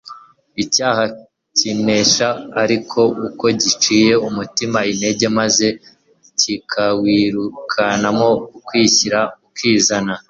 Icyaha kinesha ari uko giciye umutima intege, maze kikawirukanamo ukwishyira ukizana.